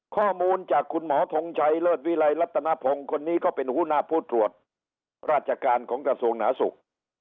ข้อมูลจากคุณหมอทงชัยเลิศวิลัยรัฐนพงศ์คนนี้ก็เป็นหัวหน้าผู้ตรวจราชการของกระทรวงหนาสุข